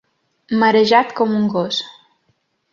Marejat com un gos.